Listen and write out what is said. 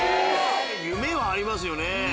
夢はありますよね。